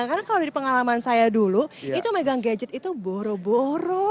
karena kalau dari pengalaman saya dulu itu megang gadget itu boro boro